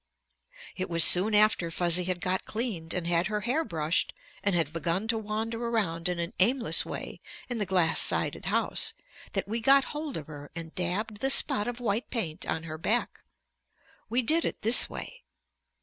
It was soon after Fuzzy had got cleaned and had her hair brushed and had begun to wander around in an aimless way in the glass sided house that we got hold of her and dabbed the spot of white paint on her back. We did it this way.